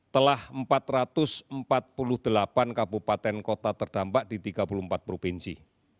telah empat ratus empat puluh delapan kabupaten kota terdampak di tiga puluh empat provinsi